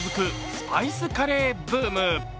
スパイスカレーブーム。